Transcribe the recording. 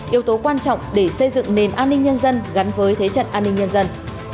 yếu tố quan trọng để xây dựng nền an ninh nhân dân gắn với thế trận an ninh nhân dân